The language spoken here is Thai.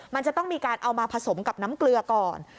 มันจะต้องมีการเอามาผสมกับน้ำเกลือก่อน